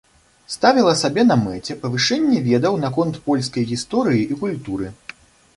Ставіла сабе на мэце павышэнне ведаў наконт польскай гісторыі і культуры.